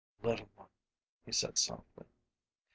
"Little one," he said, softly.